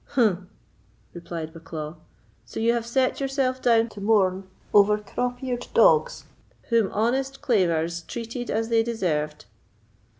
"Humph!" replied Bucklaw; "so you have set yourself down to mourn over the crop eared dogs whom honest Claver'se treated as they deserved?"